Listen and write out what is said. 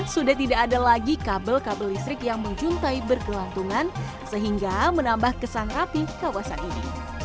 sudah tidak ada lagi kabel kabel listrik yang menjuntai berkelantungan sehingga menambah kesan rapi kawasan ini